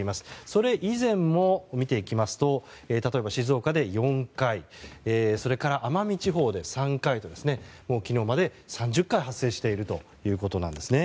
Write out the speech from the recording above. それ以前も見ていきますと静岡で４回それから、奄美地方で３回と昨日までに３０回発生しているんですね。